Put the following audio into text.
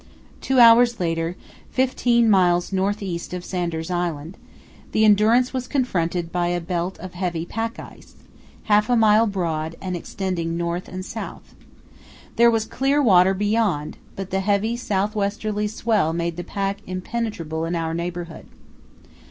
Two hours later, fifteen miles north east of Sanders Island, the Endurance was confronted by a belt of heavy pack ice, half a mile broad and extending north and south. There was clear water beyond, but the heavy south westerly swell made the pack impenetrable in our neighbourhood.